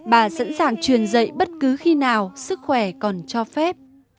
bà sẵn sàng truyền dạy bất cứ khi nào sức khỏe còn cho phép